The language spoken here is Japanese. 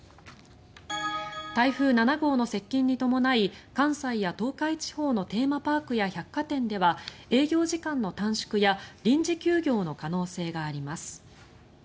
台風７号の接近に伴い関西や東海地方のテーマパークや百貨店では営業時間の短縮や臨時休業の可能性があります。